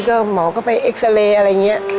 ก็หมอก็ไปเอ็กซาเรย์อะไรอย่างนี้